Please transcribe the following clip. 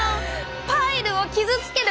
パイルを傷つける